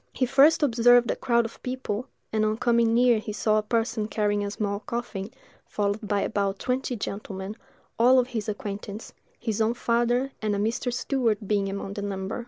He first observed a crowd of people, and on coming nearer he saw a person carrying a small coffin, followed by about twenty gentlemen, all of his acquaintance, his own father and a Mr. Stewart being among the number.